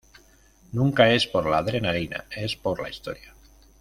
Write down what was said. Nunca es por la adrenalina, es por la historia".